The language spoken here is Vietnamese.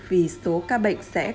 vì số ca bệnh sẽ có